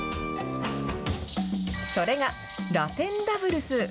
それがラテンダブルス。